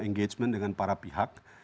engagement dengan para pihak